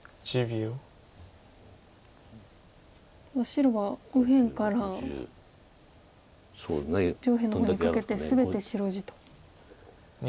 白は右辺から上辺の方にかけて全て白地と。